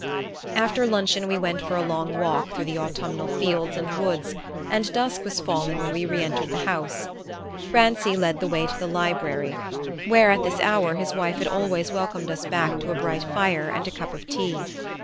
After luncheon we went for a long walk through the autumnal fields and woods, and dusk was falling when we re entered the house. Grancy led the way to the library, where, at this hour, his wife had always welcomed us back to a bright fire and a cup of tea.